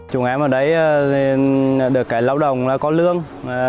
chúng em ở đây được cái lao động có lương